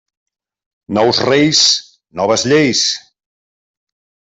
Nous reis, noves lleis.